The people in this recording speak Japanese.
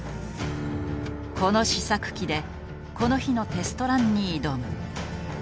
この試作機でこの日のテストランに挑む。